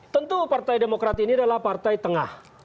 tentu partai demokrat ini adalah partai tengah